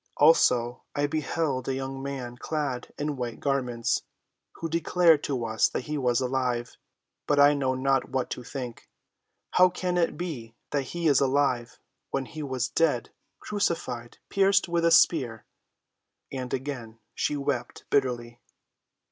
"Also I beheld a young man clad in white garments, who declared to us that he was alive; but I know not what to think. How can it be that he is alive when he was dead—crucified—pierced with a spear?" And again she wept bitterly.